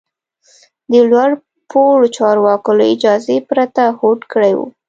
د لوړ پوړو چارواکو له اجازې پرته هوډ کړی و.